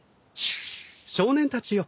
少年たちよ